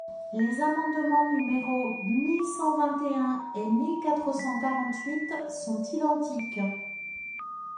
Les amendements numéros mille cent vingt et un et mille quatre cent quarante-huit sont identiques.